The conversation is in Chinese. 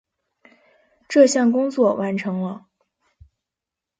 这项工作完成了。